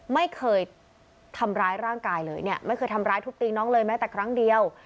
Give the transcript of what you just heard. ไม่เคยทำร้ายร่างกายเลยเนี่ยไม่เคยทำร้ายทุบตีน้องเลยแม้แต่ครั้งเดียว